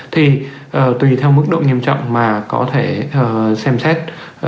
thì tùy theo mức độ nghiêm trọng mà có thể xem xét